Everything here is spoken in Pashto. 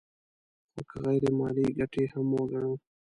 خو که غیر مالي ګټې هم وګڼو